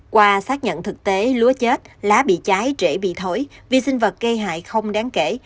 qua xác nhận thực tế lúa chết lá bị cháy trễ bị thổi vi sinh vật gây hại không đáng kể